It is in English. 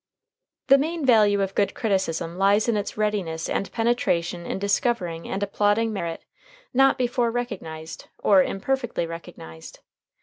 The main value of good criticism lies in its readiness and penetration in discovering and applauding merit not before recognized, or imperfectly recognized.